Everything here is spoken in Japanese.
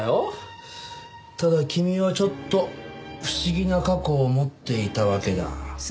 ただ君はちょっと不思議な過去を持っていたわけだ。